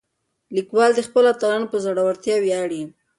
لیکوال د خپلو اتلانو په زړورتیا ویاړي.